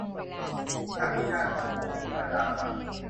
ศักดินาคือพวกที่มีบรรดาศักดิ์ ?